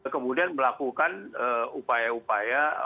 kemudian melakukan upaya upaya